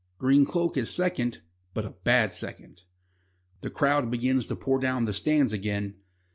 Green Cloak is second, but a bad second. The crowd begins to pour down from the stand again.